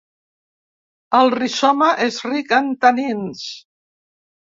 El rizoma és ric en tanins.